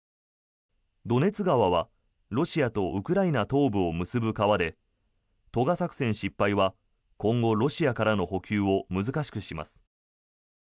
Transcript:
ドネツ川はロシアとウクライナ東部を結ぶ川で渡河作戦失敗は今後ロシアからの補給を難しくします。